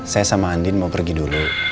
saya sama andin mau pergi dulu